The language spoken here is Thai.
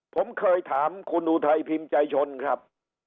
ผมเคยถามคุณอุทัยพิมพ์ใจชนครับ